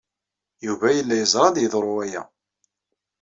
Yuba yella yeẓra ad yeḍru waya.